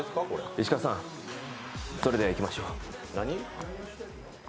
石川さん、それではいきましょう。